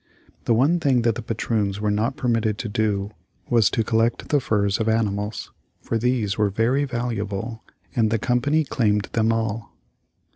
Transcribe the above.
The one thing that the patroons were not permitted to do was to collect the furs of animals, for these were very valuable and the Company claimed them all.